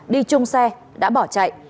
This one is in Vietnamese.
đi chung xe đã bỏ chạy